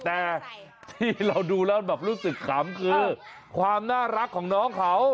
แต่ที่เราดูแล้วแบบรู้สึกขำคือความน่ารักของน้องเขา